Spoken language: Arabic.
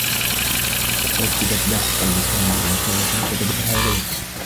أُرسِلت لاحقا لسامي رسالة كتبتها ليلى.